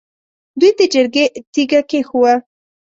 دوی د جرګې تیګه کېښووه.